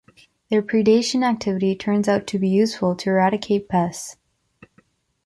Their predation activity turns out to be useful to eradicate pests.